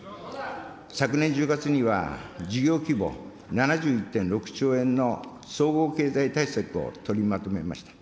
昨年１０月には、事業規模７１．６兆円の総合経済対策を取りまとめました。